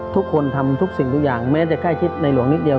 ทุกคนทำทุกสิ่งทุกอย่างแม้จะใกล้ชิดในหลวงนิดเดียว